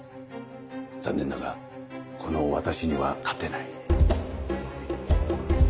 残念だがこの私には勝てない。